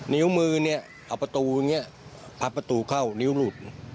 นิ้วมือเนี่ยเอาประตูอย่างนี้พับประตูเข้านิ้วหลุด